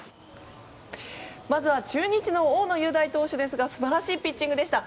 まずは中日の大野雄大投手ですが素晴らしいピッチングでした。